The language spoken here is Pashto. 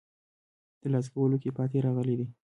ترلاسه کولو کې پاتې راغلي دي.